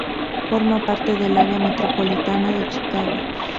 Forma parte del área metropolitana de Chicago.